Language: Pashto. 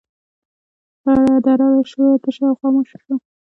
خړه دره له شوره تشه او خاموشه شوه.